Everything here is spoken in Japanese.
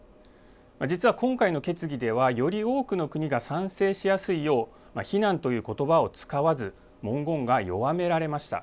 実は今回の決議ではより多くの国が賛成しやすいよう非難という言葉を使わず文言が弱められました。